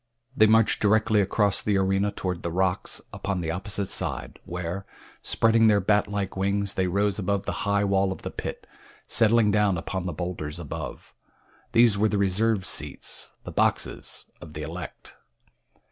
They marched directly across the arena toward the rocks upon the opposite side, where, spreading their bat like wings, they rose above the high wall of the pit, settling down upon the bowlders above. These were the reserved seats, the boxes of the elect.